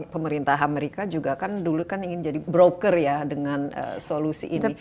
pemerintah amerika juga kan dulu ingin jadi broker ya dengan solusi ini